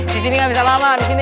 disini gak bisa lama disini